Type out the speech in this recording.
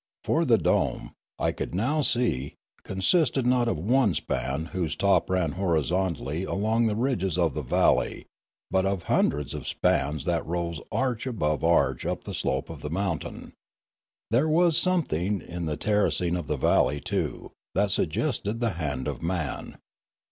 For the dome, I could now see, consisted not of one span whose top ran horizontally along the ridges of the valley, but of hundreds of spans that rose arch above arch up the slope of the mountain. There was some thing in the terracing of the valley, too, that suggested the hand of man.